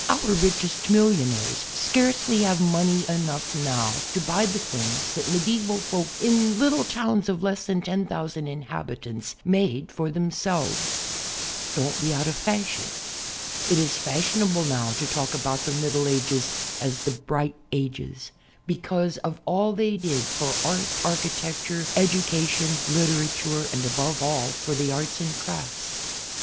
Our richest millionaires scarcely have money enough now to buy the things that medieval folk in little towns of less than 10,000 inhabitants made for themselves. Don't be out of the fashion. It is fashionable now to talk about the Middle Ages as the "Bright Ages" because of all they did for art, architecture, education, literature, and above all, for the arts and crafts.